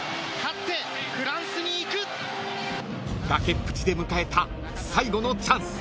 ［崖っぷちで迎えた最後のチャンス］